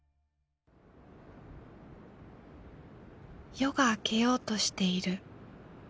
夜が明けようとしている。